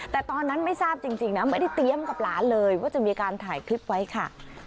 แต่ตอนนั้นไม่ทราบจริงนะไม่ได้เตรียมกับหลานเลยว่าจะมีการถ่ายคลิปไว้ค่ะ